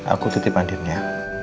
aku tutip mandinya